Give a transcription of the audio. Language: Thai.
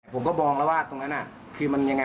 ผมก็มองแล้วว่าตรงนั้นคือมันยังไง